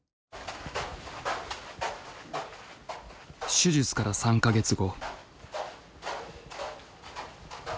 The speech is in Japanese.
手術から３か月後。